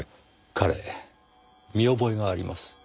彼見覚えがあります。